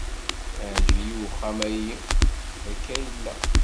Iεǧeb-iyi uxxam-ayi akka yella.